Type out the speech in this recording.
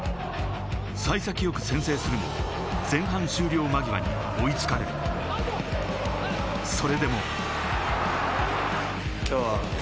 幸先よく先制するも前半終了間際に追いつかれ、それでも。